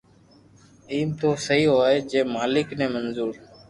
ايم تو سھي ھوئئي جي مالڪ ني منظو